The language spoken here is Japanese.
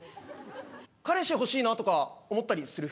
彼氏、欲しいなとか思ったりする？